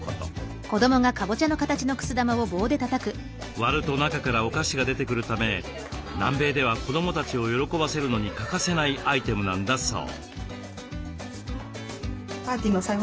割ると中からお菓子が出てくるため南米では子どもたちを喜ばせるのに欠かせないアイテムなんだそう。